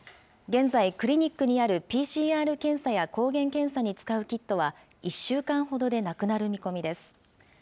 現在、クリニックにあるＰＣＲ検査や抗原検査に使うキットは１週間ほどでなくなる見込みです。